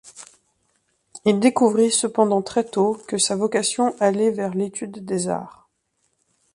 Il découvrit cependant très tôt que sa vocation allait vers l’étude des arts.